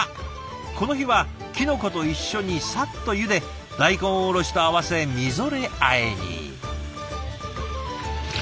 この日はキノコと一緒にサッとゆで大根おろしと合わせみぞれあえに。